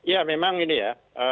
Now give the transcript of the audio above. ya memang ini ya